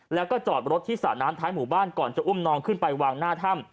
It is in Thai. แล้วก็จอดรถที่สระน้ำท้ายหมู่บ้านก่อนจะอุ้มน้องขึ้นไปวางหน้าถ้ำ